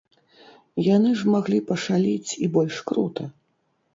Яны ж маглі пашаліць і больш крута.